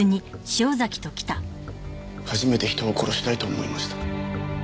初めて人を殺したいと思いました。